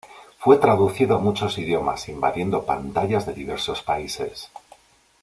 Fue traducido a muchos idiomas invadiendo pantallas de diversos países.